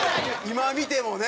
今見てもね。